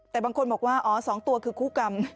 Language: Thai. แต่บางคนบอกว่าอ๋อ๒ตัวคือคู่กรรม